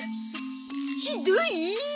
ひどい！